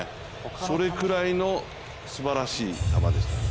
それぐらいのすばらしい球ですね